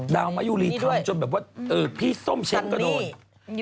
ดาวน์มะยุลีทำจนแบบว่าพี่ส้มเช็งก็โดนอืมนี่ด้วย